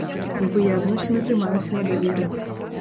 Любыя адносіны трымаюцца на даверы.